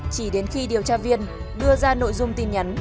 chỉ đến khi điều tra viên đưa ra nội dung tin nhắn